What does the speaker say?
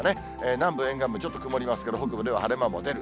南部沿岸部、ちょっと曇りますけど、北部では晴れ間も出る。